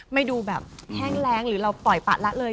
ไม่ดูแบบแห้งแรงหรือเราปล่อยปะละเลย